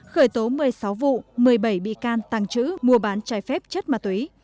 khởi tố một mươi sáu vụ một mươi bảy bị can tăng chữ mua bán trái phép chất ma túy